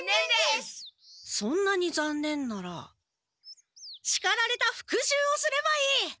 そんなにざんねんならしかられた復習をすればいい！